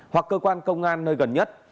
hoặc cơ quan công an nơi gần nhất